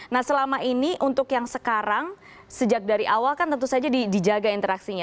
nah selama ini untuk yang sekarang sejak dari awal kan tentu saja dijaga interaksinya